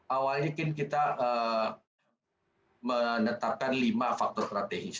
awalnya kan kita menetapkan lima faktor strategis